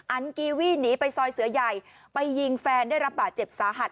อันกีวี่หนีไปซอยเสือใหญ่ไปยิงแฟนได้รับบาดเจ็บสาหัส